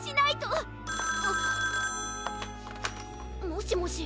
もしもし。